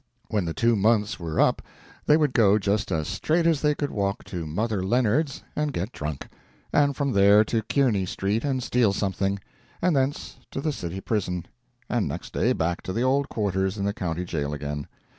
When the two months were up they would go just as straight as they could walk to Mother Leonard's and get drunk; and from there to Kearney street and steal something; and thence to this city prison, and next day back to the old quarters in the county jail again.